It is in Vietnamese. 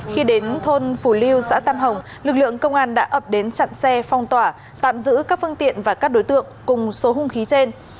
khi đến thôn phủ lưu xã tam hồng lực lượng công an đã ập đến chặn xe phong tỏa tạm giữ các phương tiện và các đối tượng cùng số hung khí trên